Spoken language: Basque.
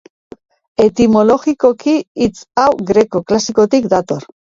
Etimologikoki, hitz hau greko klasikotik dator.